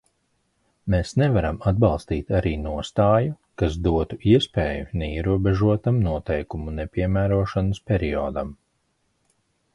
Mēs nevaram atbalstīt arī nostāju, kas dotu iespēju neierobežotam noteikumu nepiemērošanas periodam.